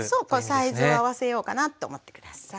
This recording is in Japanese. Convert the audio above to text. サイズを合わせようかなと思って下さい。